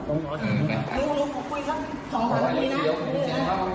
โอเคครับขอพูดอีกครับ๒นาทีนะ